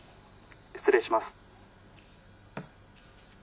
失礼します。